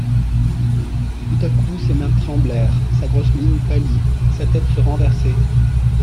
Tout à coup ses mains tremblèrent, sa grosse mine pâlit, sa tête se renversait.